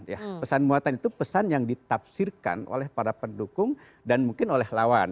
ya pesan muatan itu pesan yang ditafsirkan oleh para pendukung dan mungkin oleh lawan